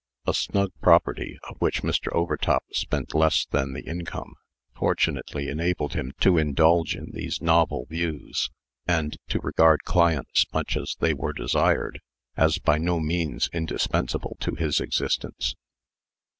A snug property, of which Mr. Overtop spent less than the income, fortunately enabled him to indulge in these novel views, and to regard clients, much as they were desired, as by no means indispensable to his existence.